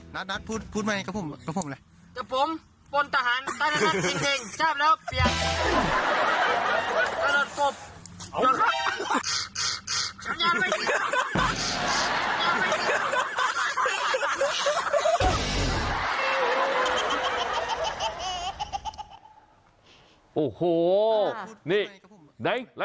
นัทพูดใหม่ข้าพุ่มอะไร